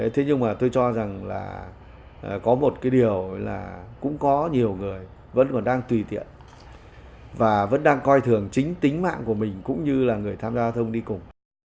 thế nhưng mà tôi cho rằng là có một cái điều là cũng có nhiều người vẫn còn đang tùy tiện và vẫn đang coi thường chính tính mạng của mình cũng như là người tham gia giao thông đi cùng